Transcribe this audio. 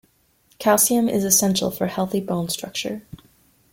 Calcium is essential for healthy bone structure.